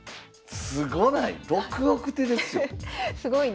すごない？